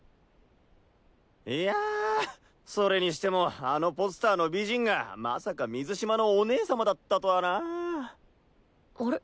いやそれにしてもあのポスターの美人がまさか水嶋のお姉様だったとはな！あれ？